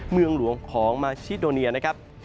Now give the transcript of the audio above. เมืองหลวงของมาชิดโดเนียนะครับ